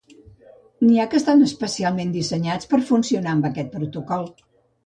N'hi ha que estan específicament dissenyats per funcionar amb este protocol.